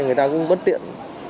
người ta cũng bất tiện